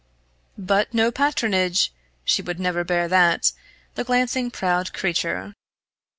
But no patronage! She would never bear that, the glancing proud creature.